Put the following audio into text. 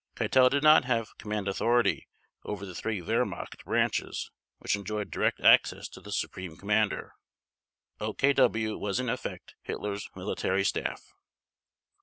Keitel did not have command authority over the three Wehrmacht branches which enjoyed direct access to the Supreme Commander. OKW was in effect Hitler's military staff.